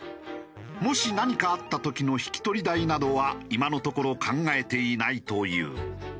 もし何かあった時の引き取り代などは今のところ考えていないという。